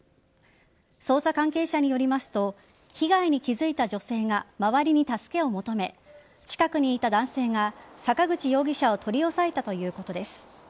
捜査関係者によりますと被害に気付いた女性が周りに助けを求め近くにいた男性が坂口容疑者を取り押さえたということです。